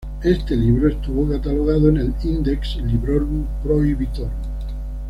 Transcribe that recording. Este libro estuvo catalogado en el "Index Librorum Prohibitorum".